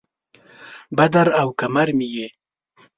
بدر او قمر مې یې